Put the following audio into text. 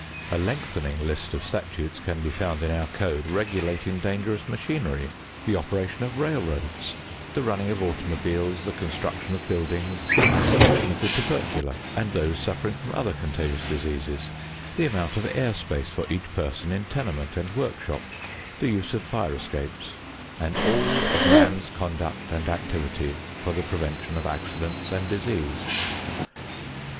A lengthening list of statutes can be found in our code regulating dangerous machinery, the operation of railroads, the running of automobiles, the construction of buildings, the isolation of the tubercular and those suffering from other contagious diseases, the amount of air space for each person in tenement and work shop, the use of fire escapes and all of man's conduct and activity for the prevention of accidents and disease.